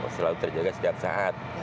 selalu terjaga setiap saat